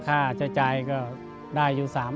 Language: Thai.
เขาจะจ่ายได้อยู่๓๐๐๐บาท